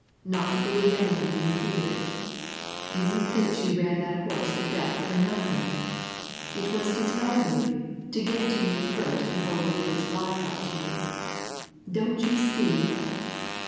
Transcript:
Not to believe anything you hear? Do you think she ran that horse to death for nothin'? It was to tell you, to git to you first before Woodford's lie got to you. Don't you see?